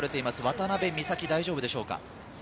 渡部美紗哉、大丈夫でしょうか。